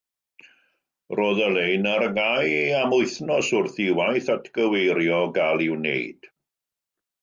Roedd y lein ar gau am wythnos wrth i waith atgyweirio gael ei wneud.